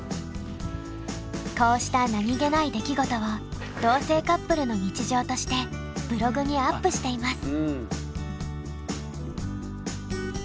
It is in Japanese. こうした何気ない出来事を同性カップルの日常としてブログにアップしています。